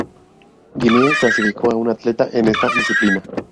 Guinea clasificó a un atleta en esta disciplina.